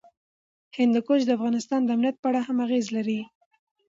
هندوکش د افغانستان د امنیت په اړه هم اغېز لري.